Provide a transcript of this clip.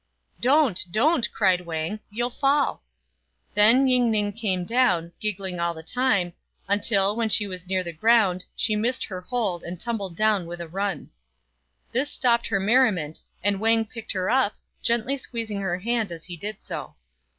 " Don't ! don't!" cried Wang, "you'll fall!" Then Ying ning came down, giggling all the time, until, when she was near the ground, she missed her hold, and tumbled down with a run. This stopped her merriment, and Wang picked her up, gently squeezing her hand as he did so.